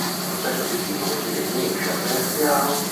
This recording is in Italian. Nello stesso dipinto si definisce "Veneziano".